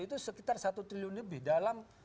itu sekitar satu triliun lebih dalam